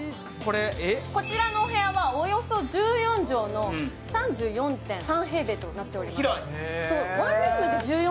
こちらのお部屋はおよそ１４畳みの３４．３平方メートルとなっています。